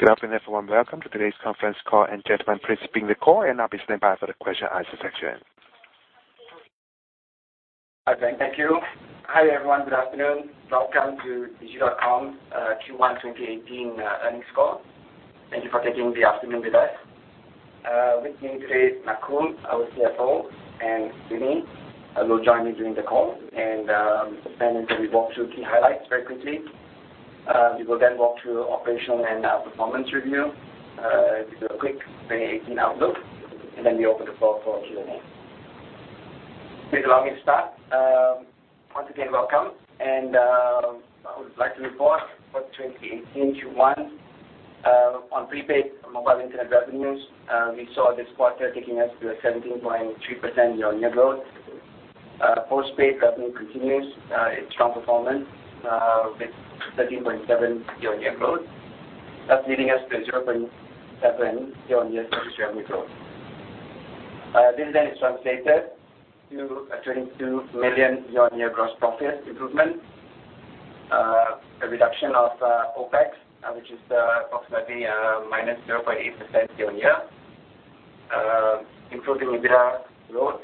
Good afternoon, everyone. Welcome to today's conference call. Gentlemen, please begin the call, and I'll be standing by for the question and answer section. Hi, thank you. Hi, everyone. Good afternoon. Welcome to Digi.Com Q1 2018 earnings call. Thank you for taking the afternoon with us. With me today is Nakul, our CFO, and Sunny will join me during the call. We'll spend until we walk through key highlights very quickly. We will walk through operational and performance review. Do a quick 2018 outlook, and we open the floor for Q&A. Please allow me to start. Once again, welcome, I would like to report for 2018 Q1, on prepaid mobile internet revenues, we saw this quarter taking us to a 17.3% year-on-year growth. Postpaid revenue continues its strong performance, with 13.7% year-on-year growth. That's leading us to 0.7% year-on-year revenue growth. This then is translated to a 22 million year-on-year gross profit improvement, a reduction of OPEX, which is approximately -0.8% year-on-year, including EBITDA growth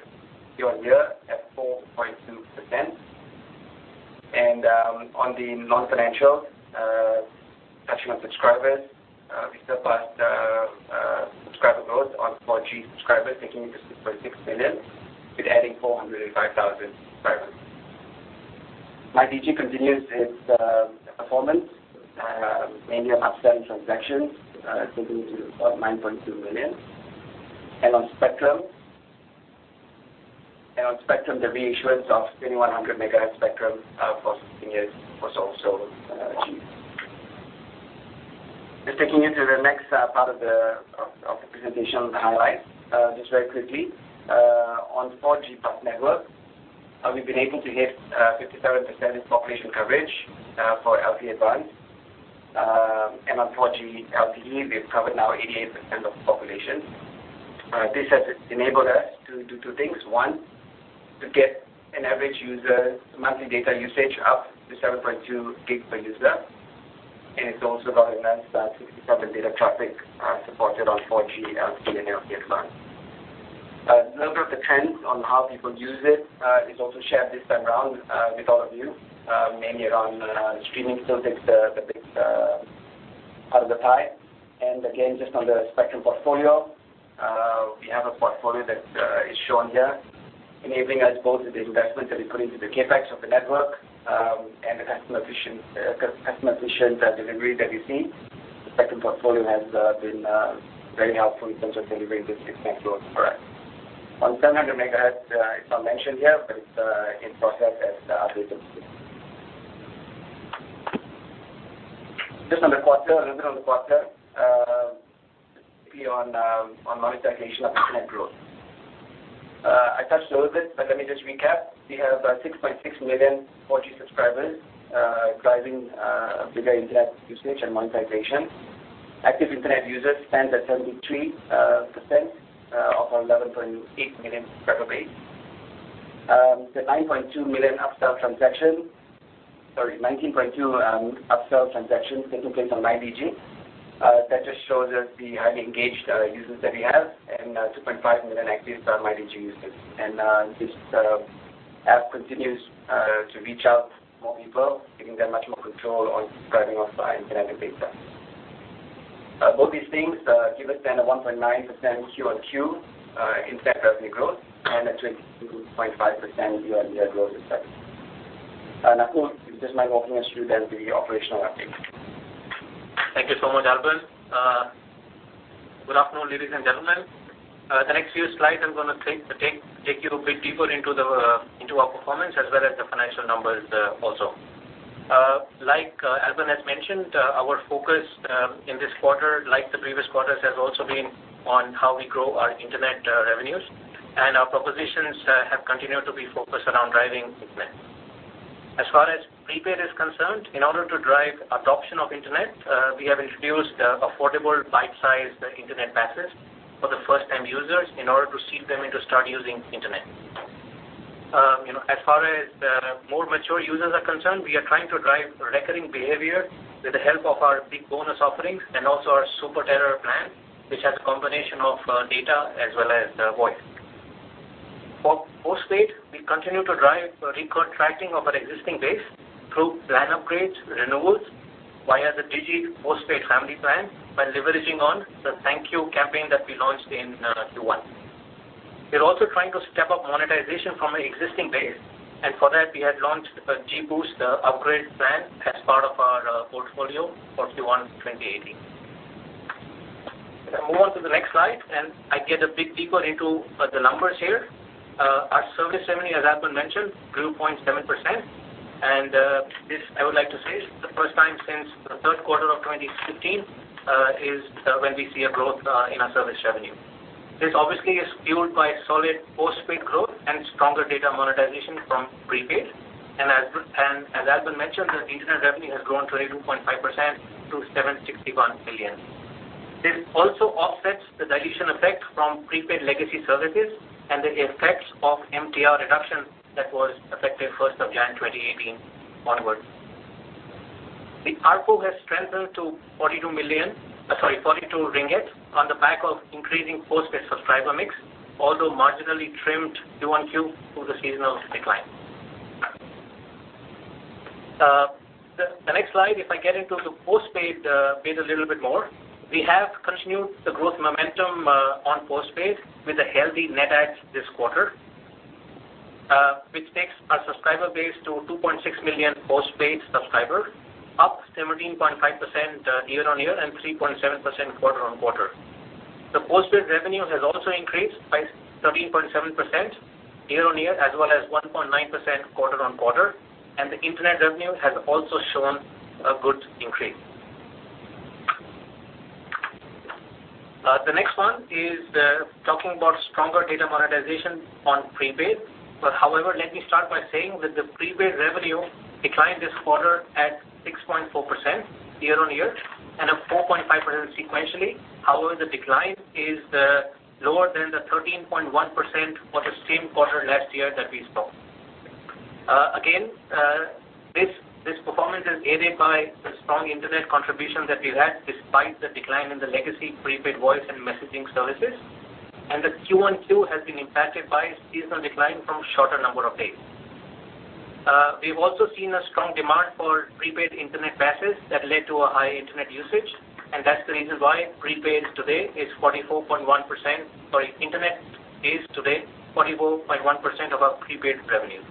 year-on-year at 4.2%. On the non-financial, touching on subscribers, we saw vast subscriber growth on 4G subscribers, taking it to 6.6 million, with adding 405,000 subscribers. MyDigi continues its performance, mainly on upsell transactions, taking it to 9.2 million. On spectrum, the reassurance of 2,100 MHz spectrum for 15 years was also achieved. Just taking you to the next part of the presentation highlights, just very quickly, on 4G Plus network, we've been able to hit 57% population coverage, for LTE Advanced. On 4G LTE, we've covered now 88% of population. This has enabled us to do two things. One, to get an average user monthly data usage up to 7.2 gigs per user, and it's also got enhanced 67 data traffic supported on 4G, LTE, and LTE Advanced. A number of the trends on how people use it is also shared this time around with all of you, mainly around streaming services that takes part of the pie. Again, just on the spectrum portfolio, we have a portfolio that is shown here, enabling us both the investment that we put into the CapEx of the network, and the customer efficient delivery that we see. The spectrum portfolio has been very helpful in terms of delivering this expense growth for us. On 700 MHz, it's not mentioned here, but it's in process as updates. Just on the quarter, a little bit on the quarter, on monetization of internet growth. I touched a little bit, but let me just recap. We have 6.6 million 4G subscribers, driving bigger internet usage and monetization. Active internet users stands at 73%, of our 11.8 million subscriber base. The 19.2 million upsell transactions taking place on MyDigi. That just shows us the highly engaged users that we have and 2.5 million active MyDigi users. This app continues to reach out more people, giving them much more control on driving of internet and data. Both these things give us a 1.9% quarter-on-quarter in-service revenue growth and a 22.5% year-on-year growth this time. Nakul, if you don't mind walking us through then the operational update. Thank you so much, Albern. Good afternoon, ladies and gentlemen. The next few slides I'm going to take you a bit deeper into our performance as well as the financial numbers also. Like Albern has mentioned, our focus, in this quarter, like the previous quarters, has also been on how we grow our internet revenues, and our propositions have continued to be focused around driving internet. As far as prepaid is concerned, in order to drive adoption of internet, we have introduced affordable bite-sized internet passes for the first-time users in order to seed them into start using internet. As far as more mature users are concerned, we are trying to drive recurring behavior with the help of our biGBonus offerings and also our super data plan, which has a combination of data as well as voice. For postpaid, we continue to drive recontracting of our existing base through plan upgrades, renewals via the Digi Postpaid Family Plan by leveraging on the Thank You campaign that we launched in Q1. We're also trying to step up monetization from an existing base, and for that, we had launched a GBoost upgrade plan as part of our portfolio for Q1 2018. If I move on to the next slide, and I get a bit deeper into the numbers here. Our service revenue, as Albern mentioned, grew 0.7%, and this I would like to say, is the first time since the third quarter of 2015, is when we see a growth in our service revenue. This obviously is fueled by solid postpaid growth and stronger data monetization from prepaid. As Albern mentioned, the internet revenue has grown 22.5% to 761 million. This also offsets the dilution effect from prepaid legacy services and the effects of MTR reduction that was effective 1st of January 2018 onwards. The ARPU has strengthened to 42 on the back of increasing postpaid subscriber mix, although marginally trimmed quarter-on-quarter due to seasonal decline. The next slide, if I get into the postpaid bit a little bit more, we have continued the growth momentum on postpaid with a healthy net add this quarter, which takes our subscriber base to 2.6 million postpaid subscribers, up 17.5% year-on-year and 3.7% quarter-on-quarter. The postpaid revenues have also increased by 13.7% year-on-year as well as 1.9% quarter-on-quarter, and the internet revenue has also shown a good increase. The next one is talking about stronger data monetization on prepaid. However, let me start by saying that the prepaid revenue declined this quarter at 6.4% year-on-year and at 4.5% sequentially. The decline is lower than the 13.1% for the same quarter last year that we saw. This performance is aided by the strong internet contribution that we've had despite the decline in the legacy prepaid voice and messaging services, and the Q1Q has been impacted by seasonal decline from shorter number of days. We've also seen a strong demand for prepaid internet passes that led to a high internet usage, and that's the reason why internet today is 44.1% of our prepaid revenue.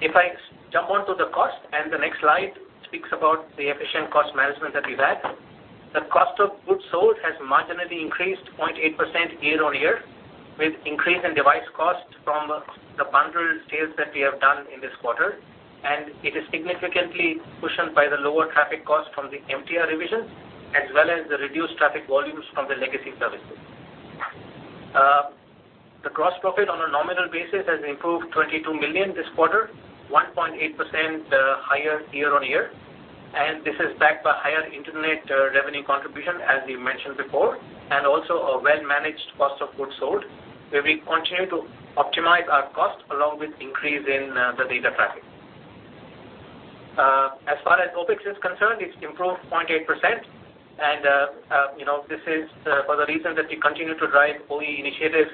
If I jump onto the cost, and the next slide speaks about the efficient cost management that we've had. The cost of goods sold has marginally increased 0.8% year-on-year with increase in device cost from the bundled sales that we have done in this quarter, and it is significantly cushioned by the lower traffic cost from the MTR revision as well as the reduced traffic volumes from the legacy services. The gross profit on a nominal basis has improved 22 million this quarter, 1.8% higher year-on-year, and this is backed by higher internet revenue contribution, as we mentioned before, and also a well-managed cost of goods sold, where we continue to optimize our cost along with increase in the data traffic. As far as OPEX is concerned, it's improved 0.8%, and this is for the reason that we continue to drive OE initiatives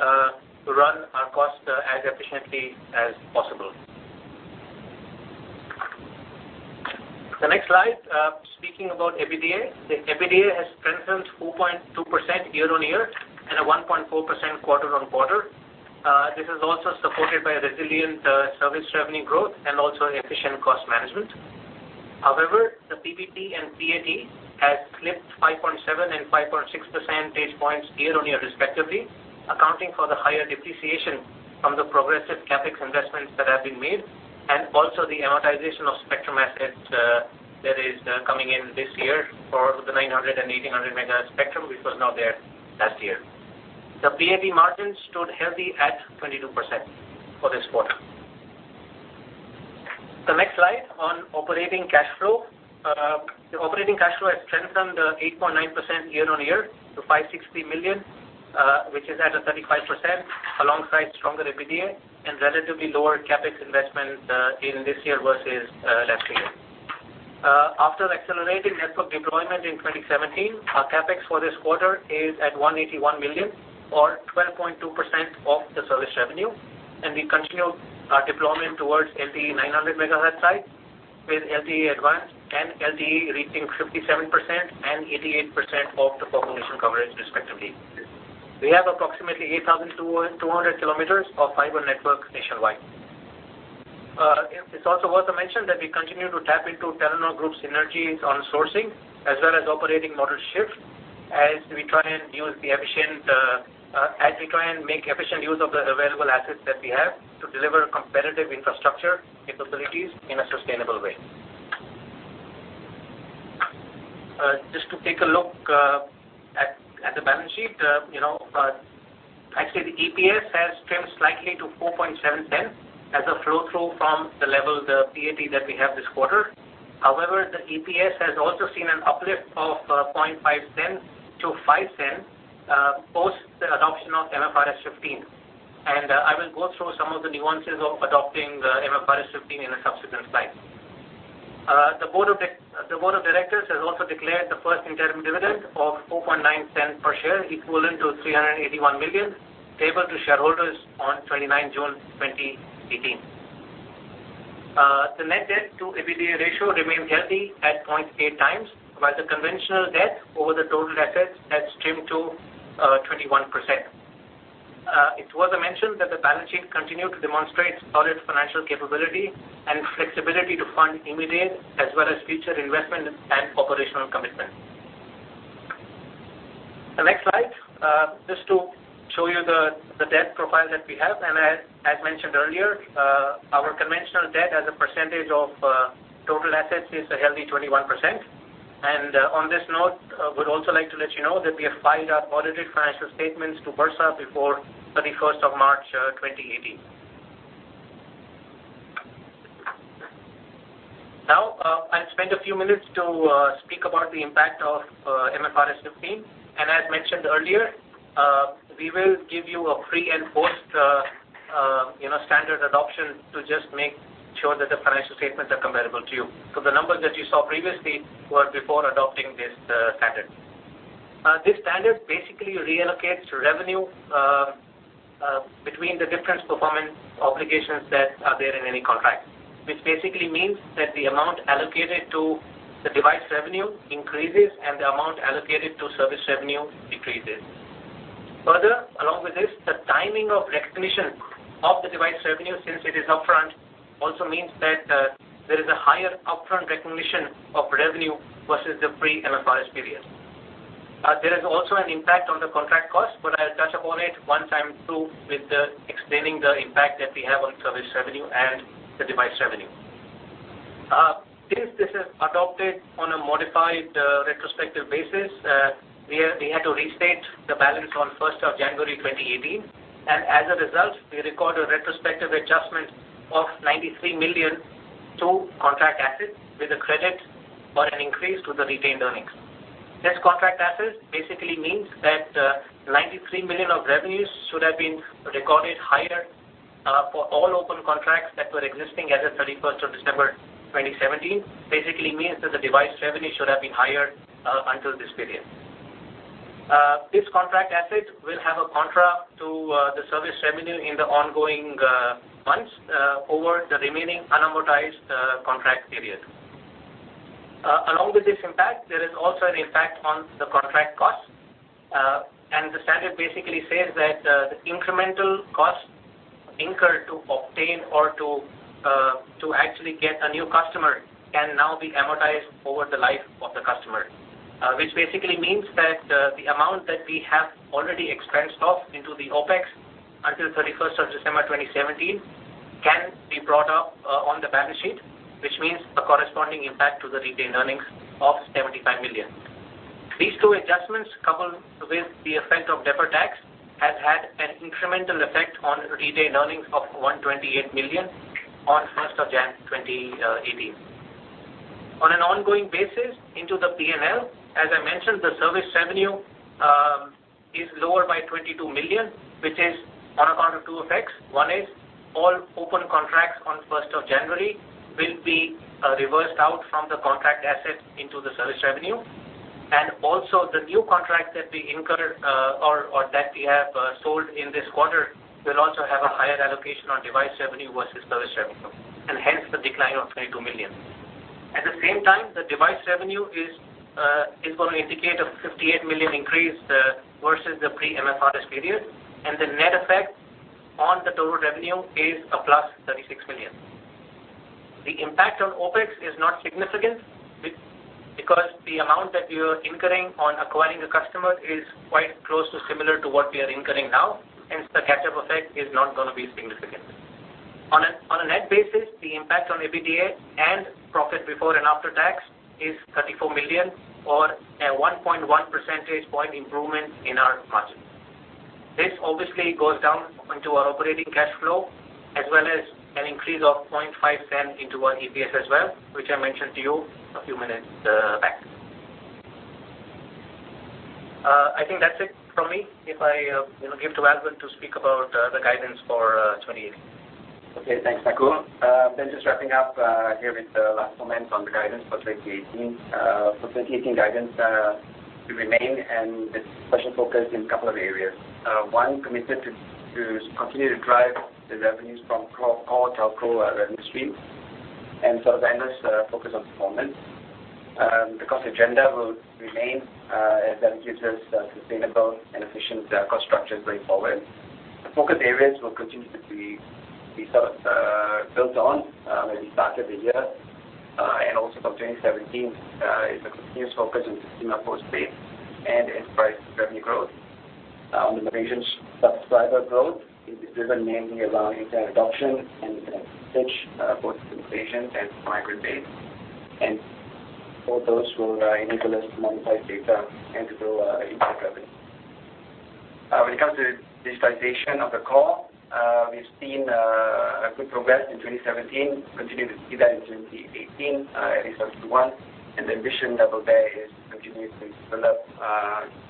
to run our cost as efficiently as possible. The next slide, speaking about EBITDA. The EBITDA has strengthened 4.2% year-on-year and a 1.4% quarter-on-quarter. This is also supported by a resilient service revenue growth and also efficient cost management. The PBT and PAT has slipped 5.7 and 5.6 percentage points year-on-year respectively, accounting for the higher depreciation from the progressive CapEx investments that have been made, and also the amortization of spectrum assets that is coming in this year for the 900 and 1800 MHz spectrum, which was not there last year. The PAT margin stood healthy at 22% for this quarter. The next slide on operating cash flow. The operating cash flow has strengthened 8.9% year-on-year to 560 million, which is at a 35% alongside stronger EBITDA and relatively lower CapEx investment in this year versus last year. After accelerating network deployment in 2017, our CapEx for this quarter is at 181 million or 12.2% of the service revenue. We continue our deployment towards LTE 900 MHz sites with LTE Advanced and LTE reaching 57% and 88% of the population coverage, respectively. We have approximately 8,200 km of fiber network nationwide. It's also worth a mention that we continue to tap into Telenor Group's synergies on sourcing as well as operating model shift as we try and make efficient use of the available assets that we have to deliver competitive infrastructure capabilities in a sustainable way. Just to take a look at the balance sheet. Actually, the EPS has trimmed slightly to 4.70 as a flow-through from the level, the PAT that we have this quarter. The EPS has also seen an uplift of 0.005 to 0.05 post the adoption of MFRS 15. I will go through some of the nuances of adopting the MFRS 15 in a subsequent slide. The board of directors has also declared the first interim dividend of 4.90 per share, equivalent to 381 million, payable to shareholders on 29th June 2018. The net debt to EBITDA ratio remains healthy at 0.8 times, while the conventional debt over the total assets has trimmed to 21%. It is worth a mention that the balance sheet continued to demonstrate solid financial capability and flexibility to fund immediate as well as future investment and operational commitment. Next slide, just to show you the debt profile that we have. As mentioned earlier, our conventional debt as a percentage of total assets is a healthy 21%. On this note, would also like to let you know that we have filed our audited financial statements to Bursa before 31st of March 2018. I'll spend a few minutes to speak about the impact of MFRS 15. As mentioned earlier, we will give you a pre and post standard adoption to just make sure that the financial statements are comparable to you. The numbers that you saw previously were before adopting this standard. This standard basically reallocates revenue between the different performance obligations that are there in any contract, which basically means that the amount allocated to the device revenue increases and the amount allocated to service revenue decreases. Further, along with this, the timing of recognition of the device revenue, since it is upfront, also means that there is a higher upfront recognition of revenue versus the pre-MFRS period. There is also an impact on the contract cost, but I'll touch upon it once I'm through with explaining the impact that we have on service revenue and the device revenue. Since this is adopted on a modified retrospective basis, we had to restate the balance on 1st of January 2018. As a result, we record a retrospective adjustment of 93 million to contract assets with a credit, but an increase to the retained earnings. This contract assets basically means that 93 million of revenues should have been recorded higher for all open contracts that were existing as at 31st of December 2017. Basically means that the device revenue should have been higher until this period. This contract asset will have a contra to the service revenue in the ongoing months over the remaining unamortized contract period. Along with this impact, there is also an impact on the contract cost. The standard basically says that the incremental cost incurred to obtain or to actually get a new customer can now be amortized over the life of the customer. Which basically means that the amount that we have already expensed off into the OpEx until 31st of December 2017 can be brought up on the balance sheet, which means a corresponding impact to the retained earnings of 75 million. These two adjustments, coupled with the effect of deferred tax, has had an incremental effect on retained earnings of 128 million on 1st of January 2018. On an ongoing basis into the P&L, as I mentioned, the service revenue is lower by 22 million, which is on account of two effects. One is all open contracts on 1st of January will be reversed out from the contract asset into the service revenue. Also the new contract that we incurred or that we have sold in this quarter will also have a higher allocation on device revenue versus service revenue, and hence the decline of 22 million. At the same time, the device revenue is going to indicate a 58 million increase versus the pre-MFRS period, and the net effect on the total revenue is a plus 36 million. The impact on OpEx is not significant because the amount that we are incurring on acquiring a customer is quite close to similar to what we are incurring now, hence the catch-up effect is not going to be significant. On a net basis, the impact on EBITDA and profit before and after tax is 34 million or a 1.1 percentage point improvement in our margin. This obviously goes down into our operating cash flow as well as an increase of 0.005 into our EPS as well, which I mentioned to you a few minutes back. I think that's it from me. If I give to Albern to speak about the guidance for 2018. Okay. Thanks, Nakul. Just wrapping up here with the last comments on the guidance for 2018. For 2018 guidance, we remain and with special focus in a couple of areas. One, committed to continue to drive the revenues from core telco revenue stream and for vendors focus on performance. The cost agenda will remain, and that gives us sustainable and efficient cost structures going forward. The focus areas will continue to be built on where we started the year and also from 2017, is a continuous focus in sustaining our postpaid and enterprise revenue growth. On the Malaysian subscriber growth is driven mainly around internet adoption and switch both from prepaid and fiber base, and for those who are enabling us to monetize data and to grow internet revenue. When it comes to digitization of the core, we've seen a good progress in 2017. Continue to see that in 2018, at least Q1. The ambition level there is to continue to develop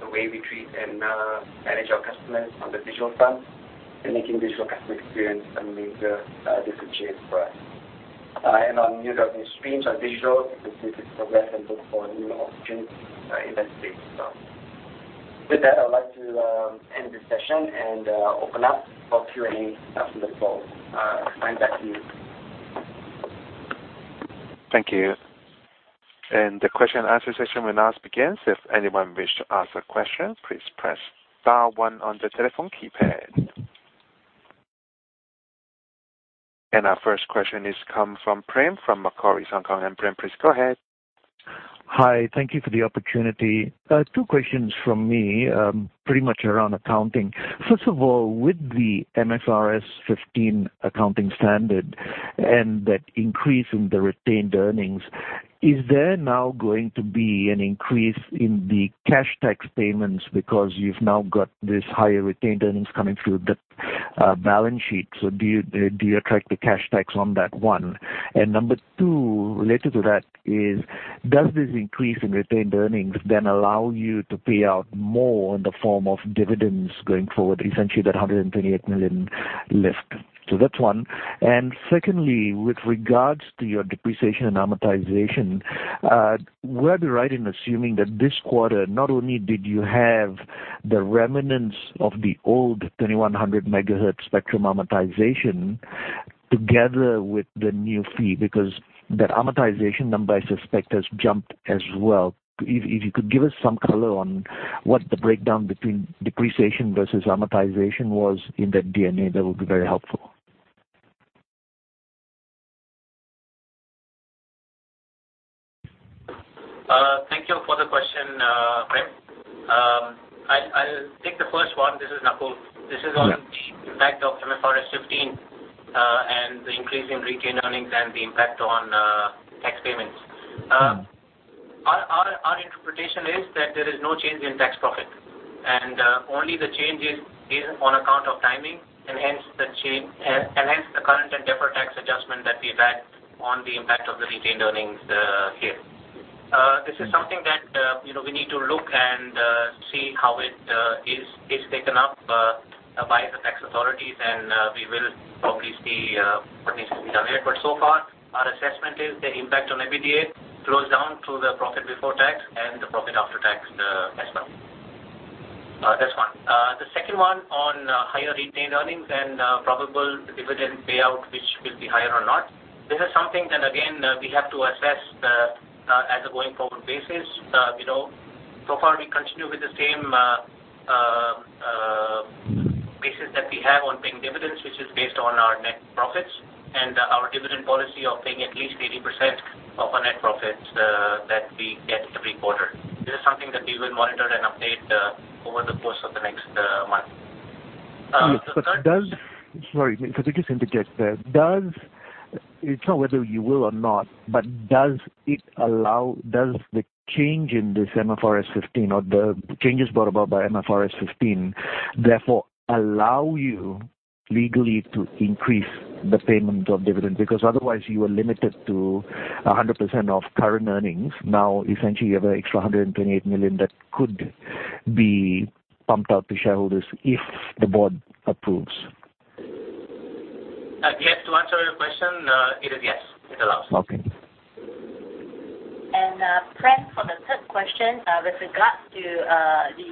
the way we treat and manage our customers on the digital front and making digital customer experience a major differentiator for us. On new revenue streams, on digital, we see good progress and look for new opportunities in that space as well. With that, I'd like to end this session and open up for Q&A after the call. I hand back to you. Thank you. The question and answer session will now begin. If anyone wish to ask a question, please press star one on the telephone keypad. Our first question is come from Prem from Macquarie, Hong Kong. Prem, please go ahead. Hi. Thank you for the opportunity. Two questions from me, pretty much around accounting. First of all, with the MFRS 15 accounting standard and that increase in the retained earnings Is there now going to be an increase in the cash tax payments because you've now got this higher retained earnings coming through the balance sheet? Do you attract the cash tax on that, one? Number two, related to that, is does this increase in retained earnings allow you to pay out more in the form of dividends going forward, essentially that 128 million left? That's one. Secondly, with regards to your depreciation and amortization, would I be right in assuming that this quarter, not only did you have the remnants of the old 2,100 MHz spectrum amortization together with the new fee? That amortization number, I suspect, has jumped as well. If you could give us some color on what the breakdown between depreciation versus amortization was in that D&A, that would be very helpful. Thank you for the question, Prem. I'll take the first one. This is Nakul. Yeah. This is on the impact of MFRS 15, the increase in retained earnings, the impact on tax payments. Our interpretation is that there is no change in tax profit. Only the change is on account of timing, and hence the current and deferred tax adjustment that we had on the impact of the retained earnings here. This is something that we need to look and see how it is taken up by the tax authorities, and we will probably see what needs to be done there. So far, our assessment is the impact on EBITDA flows down to the profit before tax and the profit after tax as well. That's one. The second one on higher retained earnings and probable dividend payout, which will be higher or not. This is something that, again, we have to assess as a going-forward basis. We continue with the same basis that we have on paying dividends, which is based on our net profits and our dividend policy of paying at least 80% of our net profits that we get every quarter. This is something that we will monitor and update over the course of the next month. Sorry, could I just interrupt there. It is not whether you will or not, but does the change in this MFRS 15, or the changes brought about by MFRS 15, therefore, allow you legally to increase the payment of dividend? Otherwise, you are limited to 100% of current earnings. Essentially, you have an extra 128 million that could be pumped out to shareholders if the board approves. Yes. To answer your question, it is yes. It allows. Okay. Prem, for the third question, with regards to the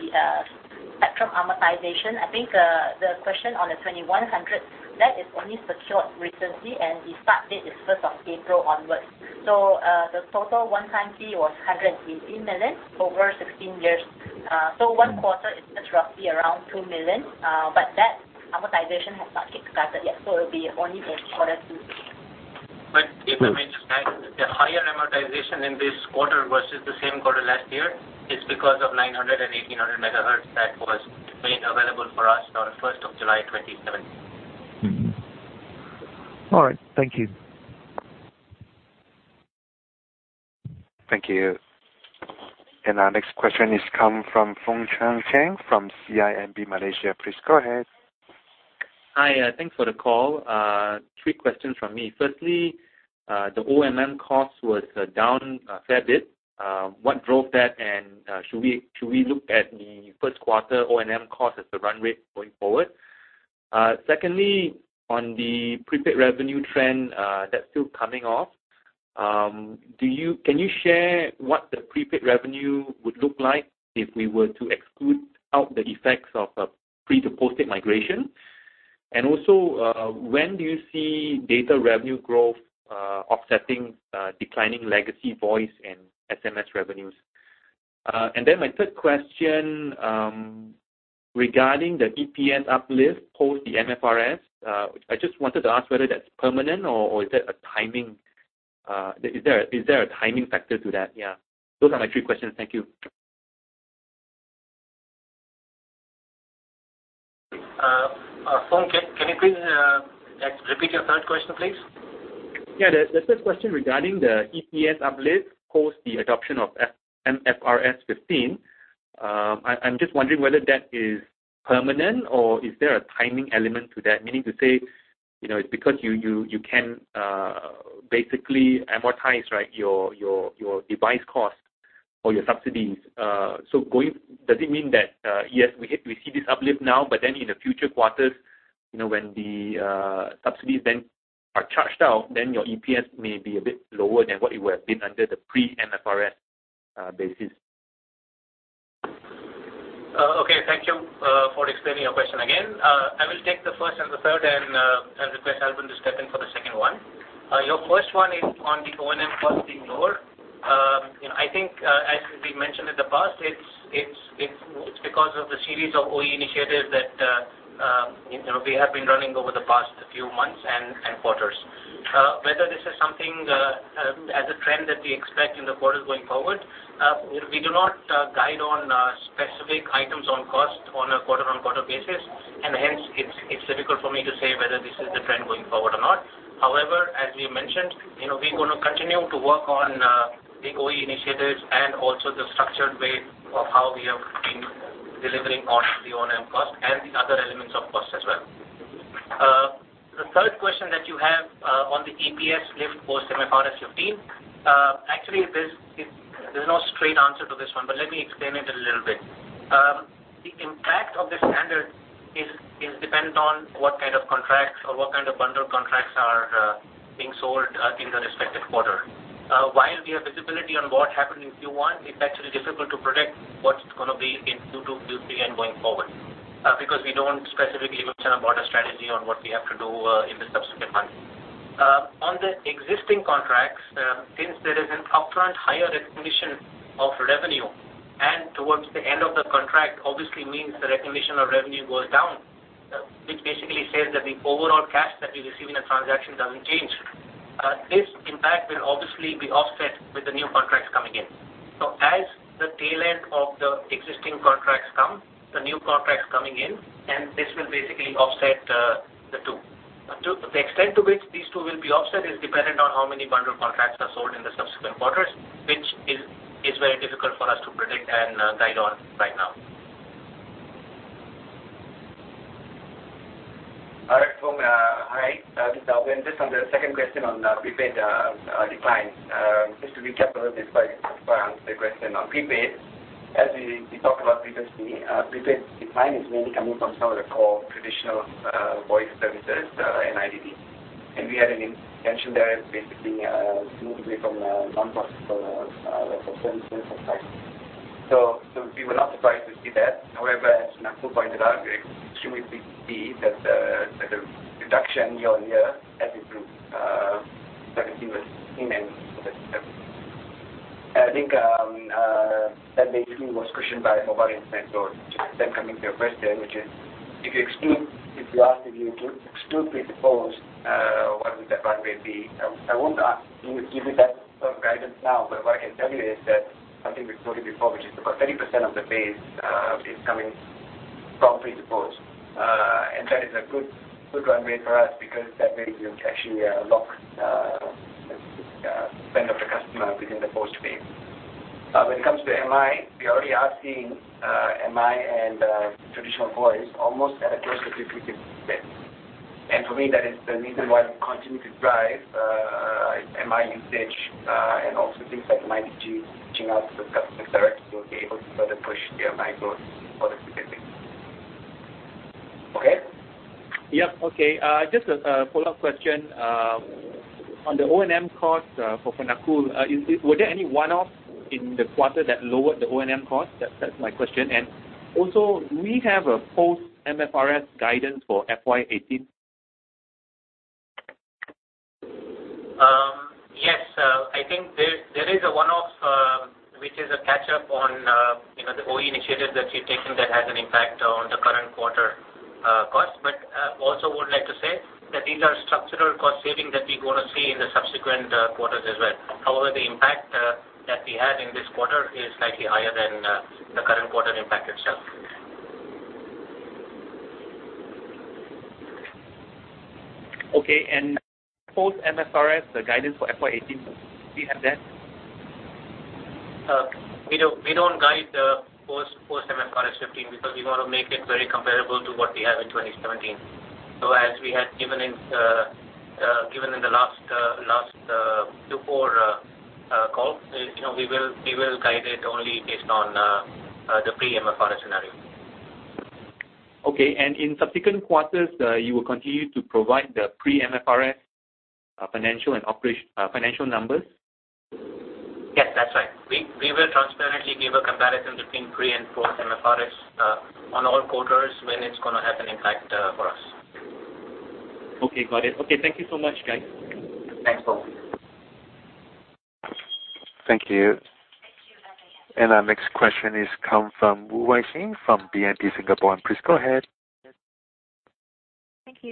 spectrum amortization, I think, the question on the 2,100, that is only secured recently, and the start date is 1st of April onwards. The total one-time fee was 118 million over 16 years. One quarter is just roughly around 2 million, but that amortization has not kicked started yet, so it'll be only for quarter two. If I may just add, the higher amortization in this quarter versus the same quarter last year, it's because of 900 and 1800 MHz that was made available for us on the 1st of July 2017. All right. Thank you. Thank you. Our next question is come from Foong Choong Chen from CIMB Malaysia. Please go ahead. Hi. Thanks for the call. Three questions from me. Firstly, the O&M cost was down a fair bit. What drove that, and should we look at the first quarter O&M cost as the run rate going forward? Secondly, on the prepaid revenue trend that's still coming off, can you share what the prepaid revenue would look like if we were to exclude out the effects of a prepay to postpaid migration? Also, when do you see data revenue growth offsetting declining legacy voice and SMS revenues? My third question, regarding the EPS uplift post the MFRS, I just wanted to ask whether that's permanent or is there a timing factor to that? Those are my three questions. Thank you. Foong, can you please repeat your third question, please? The third question regarding the EPS uplift post the adoption of MFRS 15. I'm just wondering whether that is permanent or is there a timing element to that? Meaning to say, it's because you can basically amortize your device cost or your subsidies. Does it mean that, yes, we see this uplift now, but then in the future quarters, when the subsidies then are charged out, then your EPS may be a bit lower than what it would have been under the pre-MFRS basis. Thank you for explaining your question again. I will take the first and the third, and request Albern to step in for the second one. Your first one is on the O&M cost being lower. I think, as we mentioned in the past, it's because of the series of OE initiatives that we have been running over the past few months and quarters. Whether this is something as a trend that we expect in the quarters going forward. We do not guide on specific items on cost on a quarter-on-quarter basis, hence, it's difficult for me to say whether this is the trend going forward or not. However, as we mentioned, we're going to continue to work on big OE initiatives and also the structured way of how we have been delivering on the O&M cost and the other elements of cost as well. The third question that you have on the EPS lift for MFRS 15. Actually, there's no straight answer to this one, but let me explain it a little bit. The impact of the standard is dependent on what kind of contracts or what kind of bundled contracts are being sold in the respective quarter. While we have visibility on what happened in Q1, it's actually difficult to predict what's going to be in Q2, Q3, and going forward, because we don't specifically mention about a strategy on what we have to do in the subsequent months. On the existing contracts, since there is an upfront higher recognition of revenue, and towards the end of the contract obviously means the recognition of revenue goes down, which basically says that the overall cash that we receive in a transaction doesn't change. This impact will obviously be offset with the new contracts coming in. As the tail end of the existing contracts come, the new contracts coming in, and this will basically offset the two. The extent to which these two will be offset is dependent on how many bundled contracts are sold in the subsequent quarters, which is very difficult for us to predict and guide on right now. All right. Hi, this is Albern. Just on the second question on the prepaid declines. Just to recap a little bit before I answer the question. On prepaid, as we talked about previously, prepaid decline is mainly coming from some of the core traditional voice services and IDD. We had an intention there basically to move away from non-profitable types of services. We were not surprised to see that. However, as Nakul pointed out, we are extremely pleased to see that the reduction year-on-year as a group, seventeen was immense for that. I think that basically was cushioned by mobile internet or just them coming to your first term, which is if you exclude, if you ask, if you exclude post, what would that runway be? I won't give you that sort of guidance now, but what I can tell you is that something we've quoted before, which is about 30% of the base is coming from pre-post. That is a good runway for us because that way we can actually lock the spend of the customer within the postpaid. When it comes to MI, we already are seeing MI and traditional voice almost at a close to 50-50 split. For me, that is the reason why we continue to drive MI usage, and also things like MyDigi reaching out to the customers directly, we will be able to further push the MI growth for the future. Okay? Yep. Okay. Just a follow-up question. On the O&M cost for Nakul, were there any one-off in the quarter that lowered the O&M cost? That's my question. Also, do we have a post-MFRS guidance for FY 2018? Yes, I think there is a one-off, which is a catch-up on the OE initiative that we've taken that has an impact on the current quarter cost. Also would like to say that these are structural cost savings that we're going to see in the subsequent quarters as well. However, the impact that we had in this quarter is slightly higher than the current quarter impact itself. Okay. Post-MFRS, the guidance for FY18, do we have that? We don't guide the post-MFRS 15 because we want to make it very comparable to what we have in 2017. As we had given in the last two, four calls, we will guide it only based on the pre-MFRS scenario. Okay. In subsequent quarters, you will continue to provide the pre-MFRS financial numbers? Yes, that's right. We will transparently give a comparison between pre and post-MFRS on all quarters when it's going to have an impact for us. Okay, got it. Okay, thank you so much, guys. Thanks, Foong. Thank you. Thank you. Our next question is come from Wei Shi Wu from BNP Singapore. Please go ahead. Thank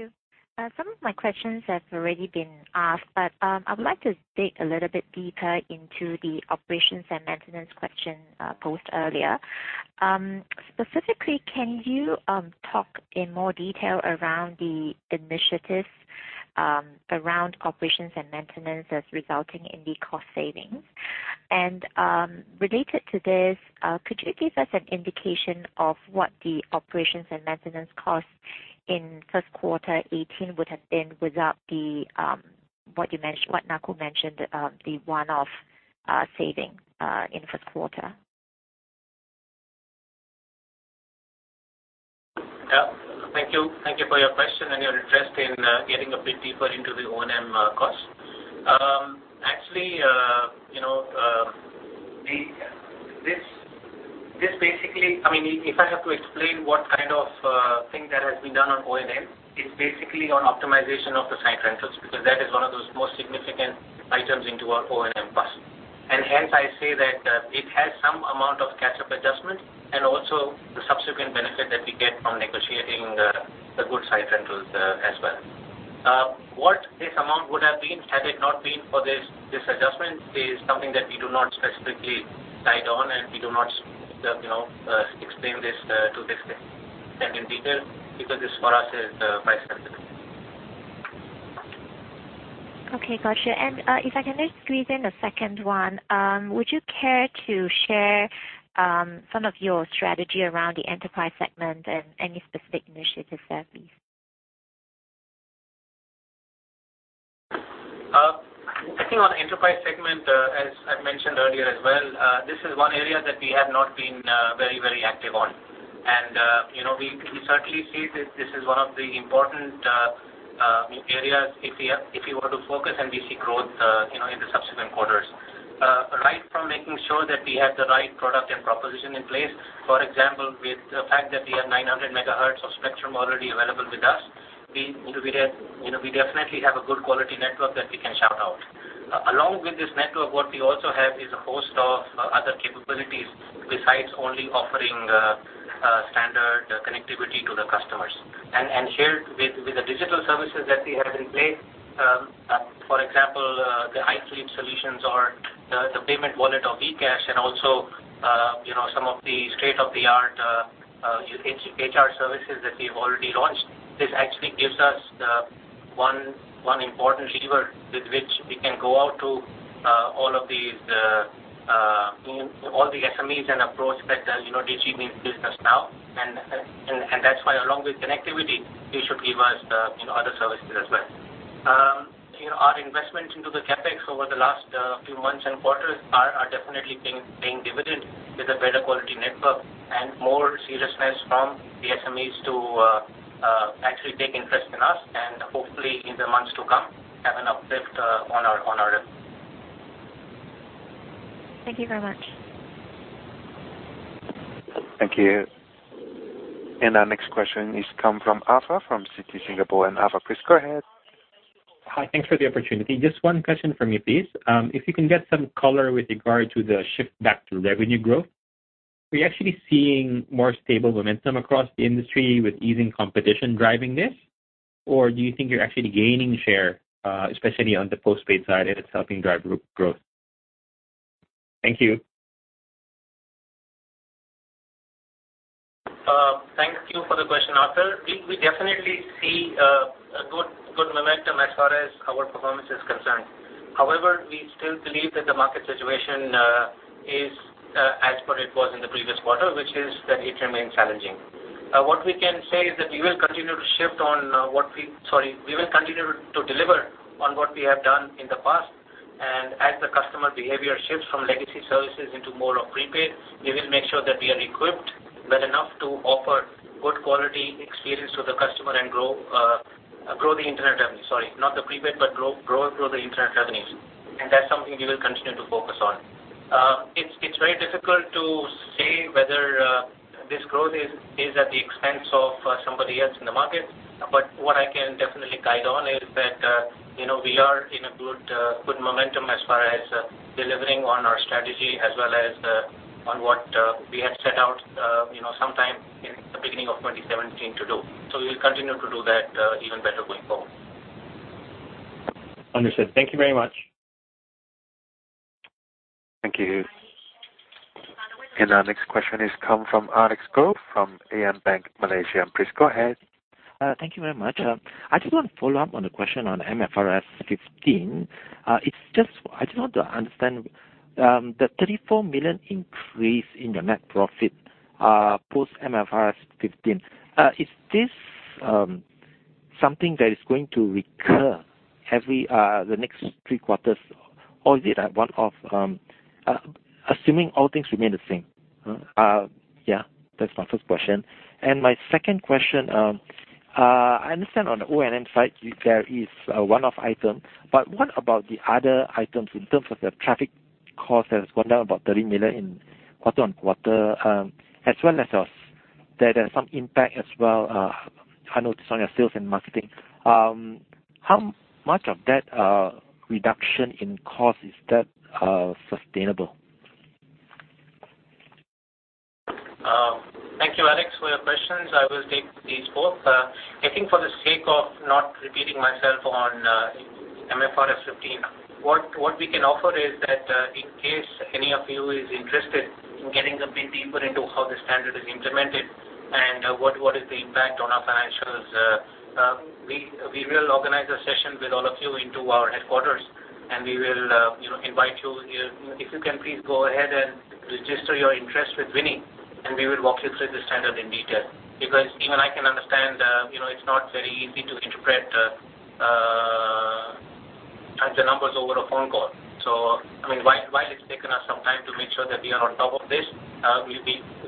you. Some of my questions have already been asked, I'd like to dig a little bit deeper into the operations and maintenance question posed earlier. Specifically, can you talk in more detail around the initiatives around operations and maintenance as resulting in the cost savings? Related to this, could you give us an indication of what the operations and maintenance costs in first quarter 2018 would have been without what Nakul mentioned, the one-off saving in first quarter? Yeah. Thank you for your question and your interest in getting a bit deeper into the O&M cost. If I have to explain what kind of thing that has been done on O&M, it's basically on optimization of the site rentals, because that is one of those most significant items into our O&M cost. Hence I say that it has some amount of catch-up adjustment and also the subsequent benefit that we get from negotiating the good site rentals as well. Has it not been for this adjustment, is something that we do not specifically guide on, and we do not explain this to this extent and in detail because this, for us, is quite sensitive. Okay, got you. If I can just squeeze in a second one. Would you care to share some of your strategy around the enterprise segment and any specific initiatives there, please? I think on the enterprise segment, as I've mentioned earlier as well, this is one area that we have not been very active on. We certainly see that this is one of the important areas if we were to focus and we see growth in the subsequent quarters. Right from making sure that we have the right product and proposition in place, for example, with the fact that we have 900 MHz of spectrum already available with us, we definitely have a good quality network that we can shout out. Along with this network, what we also have is a host of other capabilities besides only offering standard connectivity to the customers. Shared with the digital services that we have in place, for example, the iFleet solutions or the payment wallet or vcash and also some of the state-of-the-art HR services that we've already launched. This actually gives us the one important lever with which we can go out to all the SMEs and approach that Digi means business now, and that's why along with connectivity, they should give us the other services as well. Our investment into the CapEx over the last few months and quarters are definitely being divvied with a better quality network and more seriousness from the SMEs to actually take interest in us and hopefully in the months to come, have an uplift on our end. Thank you very much. Thank you. Our next question is come from Arthur from Citi Singapore. Arthur, please go ahead. Hi, thanks for the opportunity. Just one question from me, please. If you can get some color with regard to the shift back to revenue growth, are you actually seeing more stable momentum across the industry with easing competition driving this? Or do you think you're actually gaining share, especially on the postpaid side, and it's helping drive growth? Thank you. Thank you for the question, Arthur. We definitely see a good momentum as far as our performance is concerned. However, we still believe that the market situation is as per it was in the previous quarter, which is that it remains challenging. What we can say is that we will continue to deliver on what we have done in the past. As the customer behavior shifts from legacy services into more of prepaid, we will make sure that we are equipped well enough to offer good quality experience to the customer and grow the internet revenue. Sorry, not the prepaid, but grow the internet revenues. That's something we will continue to focus on. It's very difficult to say whether this growth is at the expense of somebody else in the market. What I can definitely guide on is that we are in a good momentum as far as delivering on our strategy as well as on what we had set out sometime in the beginning of 2017 to do. We will continue to do that even better going forward. Understood. Thank you very much. Thank you. Our next question is come from Alex Goh from AmBank, Malaysia. Please go ahead. Thank you very much. I just want to follow up on the question on MFRS 15. I just want to understand, the 34 million increase in the net profit, post MFRS 15, is this something that is going to recur every the next three quarters or is it a one-off, assuming all things remain the same? Yeah, that's my first question. My second question, I understand on the O&M side, there is a one-off item, but what about the other items in terms of the traffic cost has gone down about 30 million quarter-on-quarter, as well as there's some impact as well, I noticed, on your sales and marketing. How much of that reduction in cost is that sustainable? Thank you, Alex, for your questions. I will take these both. I think for the sake of not repeating myself on MFRS 15, what we can offer is that in case any of you is interested in getting a bit deeper into how the standard is implemented and what is the impact on our financials, we will organize a session with all of you into our headquarters, and we will invite you. If you can please go ahead and register your interest with Winnie, and we will walk you through the standard in detail. Even I can understand, it's not very easy to interpret the numbers over a phone call. While it has taken us some time to make sure that we are on top of this,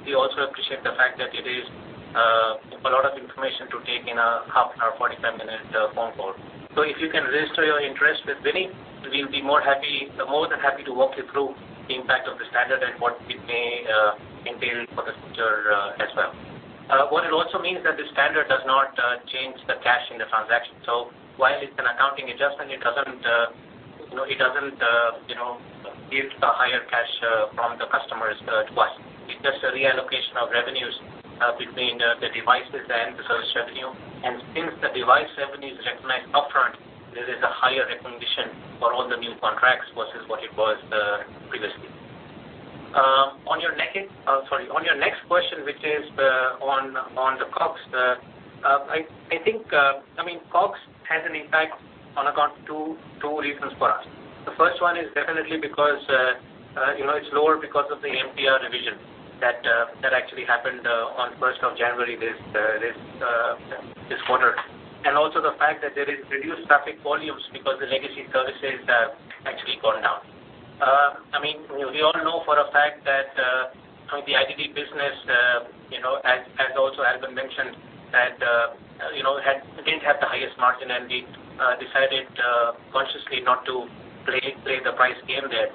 we also appreciate the fact that it is a lot of information to take in a half an hour, 45-minute phone call. If you can register your interest with Winnie, we will be more than happy to walk you through the impact of the standard and what it may entail for the future as well. What it also means that the standard does not change the cash in the transaction. While it is an accounting adjustment, it doesn't give the higher cash from the customers twice. It is just a reallocation of revenues between the devices and the service revenue. Since the device revenues are recognized upfront, there is a higher recognition for all the new contracts versus what it was previously. On your next question, which is on the COGS. COGS has an impact on account, two reasons for us. The first one is definitely because it is lower because of the MTR revision that actually happened on the first of January this quarter, and also the fact that there is reduced traffic volumes because the legacy services have actually gone down. We all know for a fact that the IDD business, as Albern mentioned, that didn't have the highest margin and we decided consciously not to play the price game there.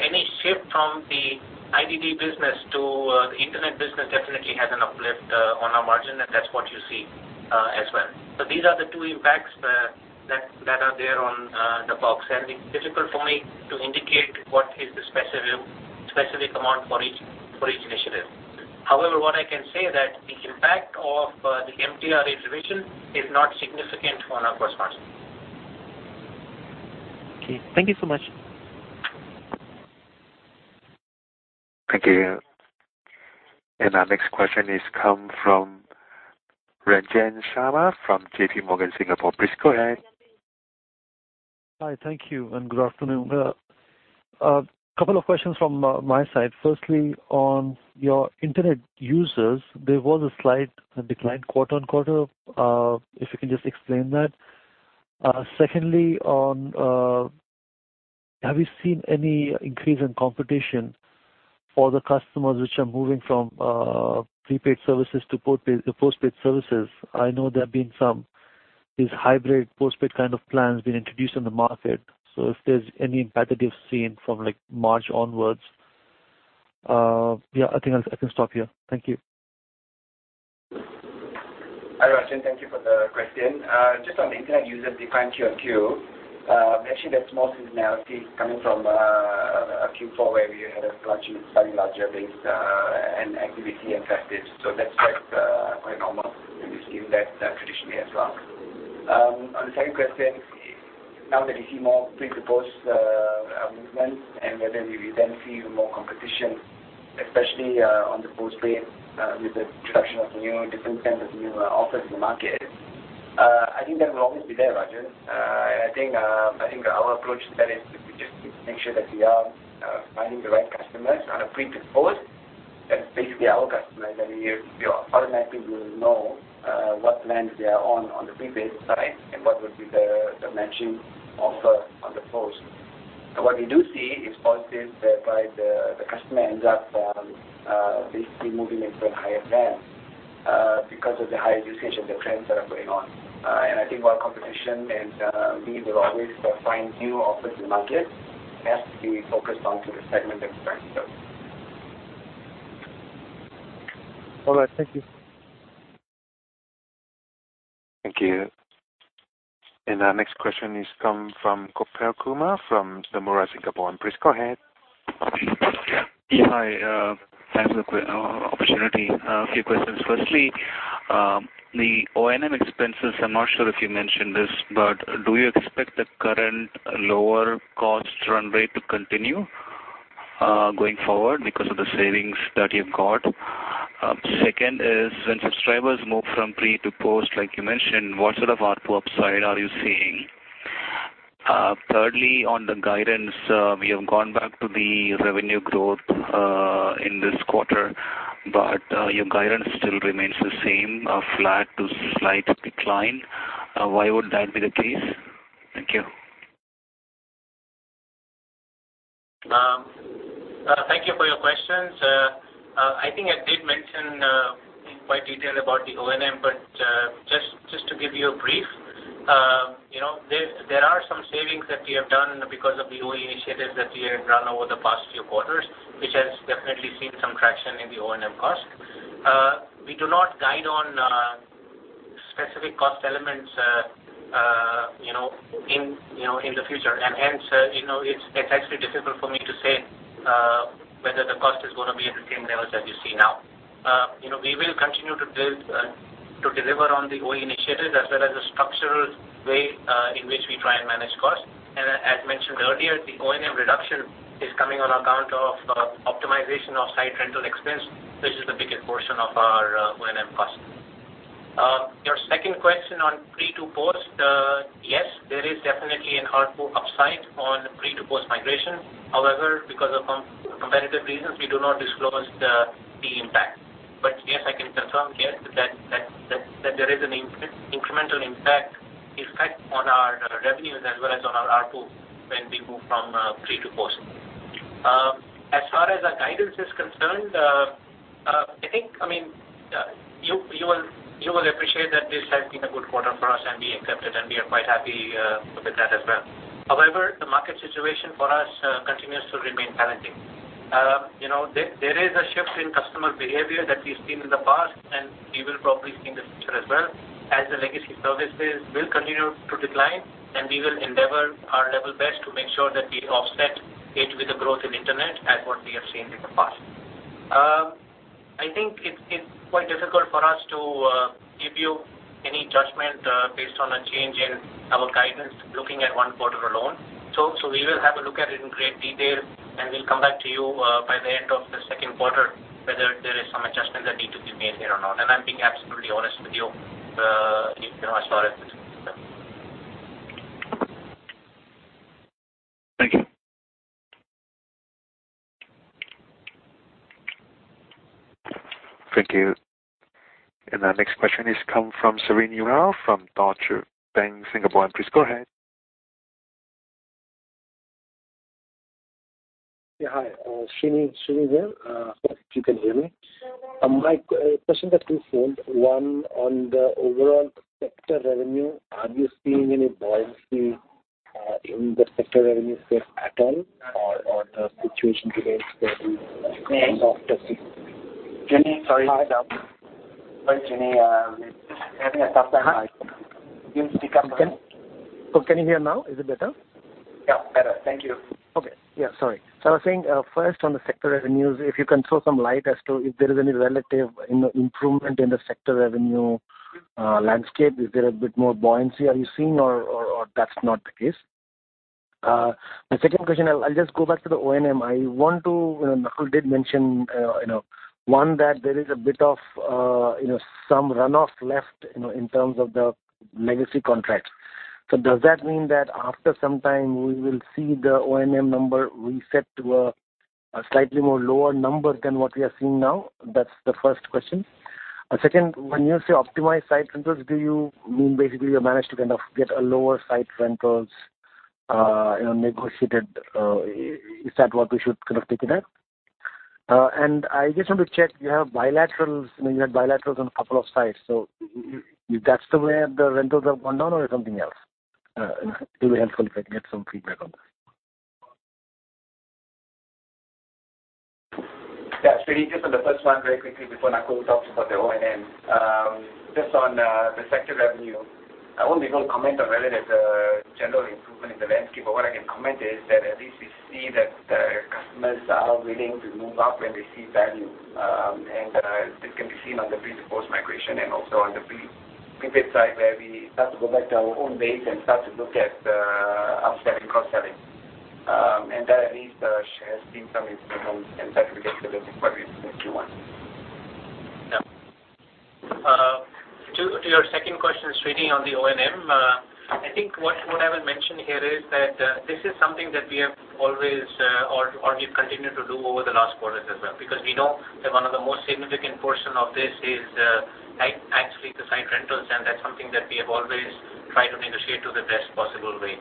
Any shift from the IDD business to the internet business definitely has an uplift on our margin, and that is what you see as well. These are the two impacts that are there on the COGS, and it is difficult for me to indicate what is the specific amount for each initiative. However, what I can say that the impact of the MTR revision is not significant on our gross margin. Okay. Thank you so much. Thank you. Our next question is come from Ranjan Sharma from J.P. Morgan, Singapore. Please go ahead. Hi. Thank you, and good afternoon. A couple of questions from my side. Firstly, on your internet users, there was a slight decline quarter-over-quarter. If you can just explain that. Secondly, have you seen any increase in competition for the customers which are moving from prepaid services to postpaid services? I know there have been these hybrid postpaid kind of plans being introduced in the market. If there's any impact that you've seen from March onwards. Yeah, I think I can stop here. Thank you. Hi, Ranjan, thank you for the question. Just on the internet users decline QOQ, actually that's more seasonality coming from Q4, where we had a slightly larger base and activity impacted. That's quite normal, and we've seen that traditionally as well. On the second question, now that we see more pre to post movements and whether we then see more competition, especially on the postpaid with the introduction of new, different kinds of new offers in the market. I think that will always be there, Ranjan. I think our approach to that is we just need to make sure that we are finding the right customers on a pre to post. That's basically our customer. Then automatically we'll know what plans they are on the prepaid side and what would be the matching offer on the post. What we do see is positive whereby the customer ends up basically moving into a higher plan because of the higher usage and the trends that are going on. I think while competition means we will always find new offers in the market, it has to be focused on to the segment that it serves. All right. Thank you. Thank you. Our next question is come from Koper Kumar from the Nomura Singapore. Please go ahead. Hi. Thanks for the opportunity. A few questions. Firstly, the O&M expenses, I'm not sure if you mentioned this, but do you expect the current lower cost runway to continue going forward because of the savings that you've got? Second is, when subscribers move from pre to post, like you mentioned, what sort of ARPU upside are you seeing? Thirdly, on the guidance, we have gone back to the revenue growth in this quarter, your guidance still remains the same, flat to slight decline. Why would that be the case? Thank you. Thank you for your questions. I think I did mention in quite detail about the O&M, just to give you a brief. There are some savings that we have done because of the OE initiatives that we have run over the past few quarters, which has definitely seen some traction in the O&M cost. We do not guide on specific cost elements in the future. Hence, it's actually difficult for me to say whether the cost is going to be at the same levels that you see now. We will continue to deliver on the OE initiatives as well as the structural way in which we try and manage costs. As mentioned earlier, the O&M reduction is coming on account of optimization of site rental expense, which is the biggest portion of our O&M cost. Your second question on pre to post. Yes, there is definitely an ARPU upside on pre to post migration. However, because of competitive reasons, we do not disclose the impact. Yes, I can confirm that there is an incremental impact on our revenues as well as on our ARPU when we move from pre to post. As far as our guidance is concerned, I think you will appreciate that this has been a good quarter for us, and we accept it, and we are quite happy with that as well. The market situation for us continues to remain challenging. There is a shift in customer behavior that we've seen in the past, and we will probably see in the future as well. The legacy services will continue to decline, and we will endeavor our level best to make sure that we offset it with the growth in internet as what we have seen in the past. I think it's quite difficult for us to give you any judgment based on a change in our guidance looking at one quarter alone. We will have a look at it in great detail, and we'll come back to you by the end of the second quarter, whether there is some adjustment that need to be made here or not. I'm being absolutely honest with you. Thank you. Thank you. Our next question is come from Srini Gnan from Deutsche Bank Singapore. Please go ahead. Yeah. Hi, Srini here. Hope you can hear me. My question has two sides. One, on the overall sector revenue, are you seeing any buoyancy in the sector revenue space at all or the situation today is still. Srini, sorry to interrupt. Sorry, Srini. We're having a software issue. Can you speak up? Oh, can you hear now? Is it better? Yeah, better. Thank you. Okay. Yeah, sorry. I was saying, first, on the sector revenues, if you can throw some light as to if there is any relative improvement in the sector revenue landscape. Is there a bit more buoyancy are you seeing or that's not the case? The second question, I'll just go back to the O&M. Nakul did mention, one, that there is a bit of some runoff left in terms of the legacy contracts. Does that mean that after some time, we will see the O&M number reset to a slightly more lower number than what we are seeing now? That's the first question. Second, when you say optimized site rentals, do you mean basically you managed to get a lower site rentals negotiated? Is that what we should take it at? I just want to check, you had bilaterals on a couple of sites. That's the way the rentals have gone down or something else? It'll be helpful if I can get some feedback on that. Yeah. Srini, just on the first one, very quickly before Nakul talks about the O&M. Just on the sector revenue, I won't be able to comment on whether there's a general improvement in the landscape. What I can comment is that at least we see that customers are willing to move up when they see value. This can be seen on the pre to post migration and also on the prepaid side, where we start to go back to our own base and start to look at upselling, cross-selling. That at least shares the same sentiment and that we get to the inquiry in Q1. Yeah. To your second question, Srini, on the O&M. I think what I would mention here is that this is something that we have continued to do over the last quarters as well. We know that one of the most significant portion of this is actually the site rentals, and that's something that we have always tried to negotiate to the best possible way.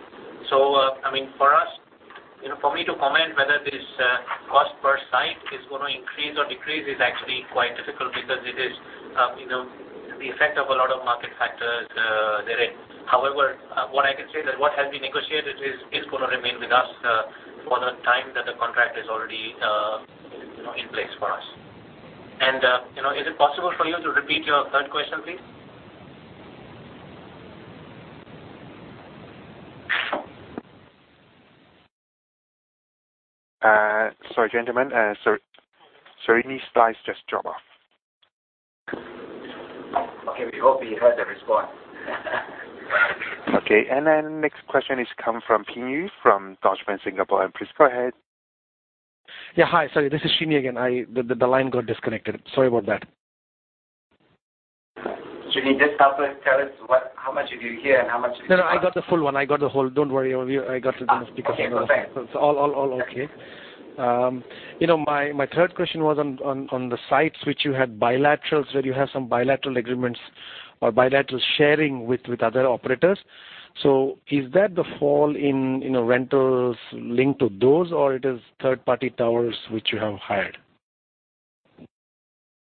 For me to comment whether this cost per site is going to increase or decrease is actually quite difficult because it is the effect of a lot of market factors therein. However, what I can say that what has been negotiated is going to remain with us for the time that the contract is already in place for us. Is it possible for you to repeat your third question, please? Sorry, gentlemen. Srini's lines just dropped off. Okay. We hope he heard the response. Okay. Then next question is come from (Pin Yu) from Deutsche Bank Singapore. Please go ahead. Yeah. Hi, sorry. This is Srini again. The line got disconnected. Sorry about that. Srini, just help us, tell us how much did you hear and how much did you not? I got the full one. I got the whole. Don't worry. I got it. Perfect. It's all okay. My third question was on the sites which you had bilaterals, where you have some bilateral agreements or bilateral sharing with other operators. Is that the fall in rentals linked to those or it is third-party towers which you have hired?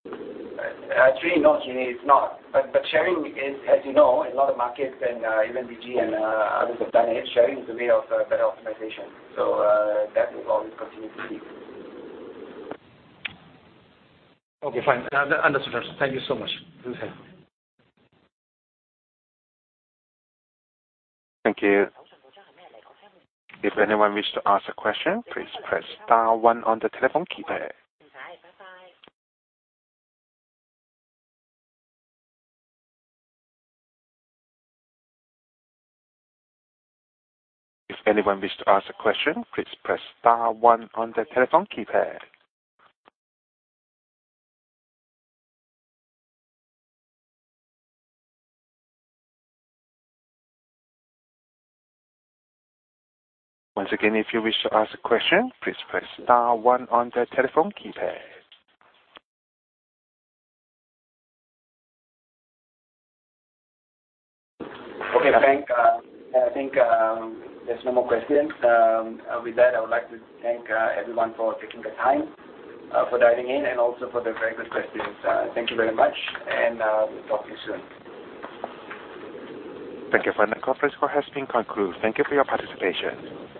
no, Srini, it's not. Sharing is, as you know, in a lot of markets and even Digi and others have done it, sharing is a way of better optimization. That will always continue to be. Okay, fine. Understood. Thank you so much. Thank you. If anyone wish to ask a question, please press star one on the telephone keypad. If anyone wish to ask a question, please press star one on the telephone keypad. Once again, if you wish to ask a question, please press star one on the telephone keypad. Okay, Frank. I think there's no more questions. With that, I would like to thank everyone for taking the time, for dialing in, and also for the very good questions. Thank you very much, and we'll talk to you soon. Thank you. Final conference call has been concluded. Thank you for your participation.